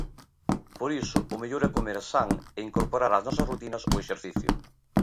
Por iso, o mellor é comer san e incorporar ás nosas rutinas o exercicio.